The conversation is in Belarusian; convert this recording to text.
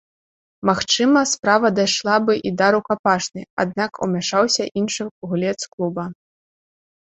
Магчыма, справа дайшла бы і да рукапашнай, аднак умяшаўся іншы гулец клуба.